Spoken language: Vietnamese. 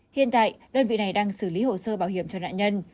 hiện tại đơn vị này đang xử lý hồ sơ bảo hiểm cho nạn nhân